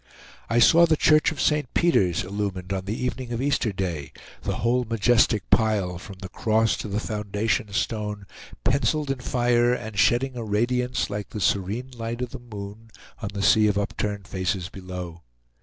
I saw the church of St. Peter's illumined on the evening of Easter Day, the whole majestic pile, from the cross to the foundation stone, penciled in fire and shedding a radiance, like the serene light of the moon, on the sea of upturned faces below.